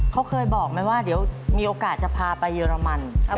เขาเคยบอกไหมว่าเดี๋ยวมีโอกาสจะพาไปเยอรมัน